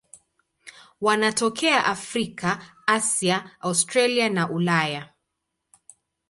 Wanatokea Afrika, Asia, Australia na Ulaya.